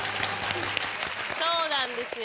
そうなんですよ。